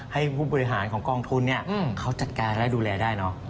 ให้ผู้บริหารของกองทุนเขาจัดการและดูแลได้เนอะ